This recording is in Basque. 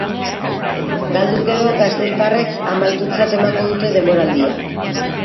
Galduz gero, gasteiztarrek amaitutzat emango dute denboraldia.